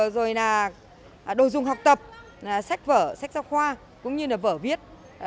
rồi là đồ dùng học tập sách vở sách giáo khoa cũng như là vở viết